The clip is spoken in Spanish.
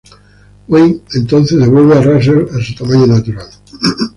Wayne, entonces devuelve a Russel a su tamaño natural.